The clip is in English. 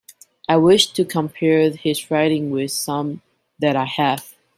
I wish to compare his writing with some that I have.